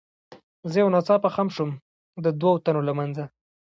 زه یو ناڅاپه خم شوم، د دوو تنو له منځه.